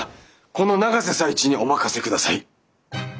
この永瀬財地にお任せください。